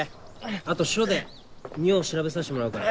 あと署で尿調べさせてもらうから。